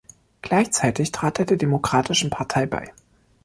Gleichzeitig trat er der Demokratischen Partei bei.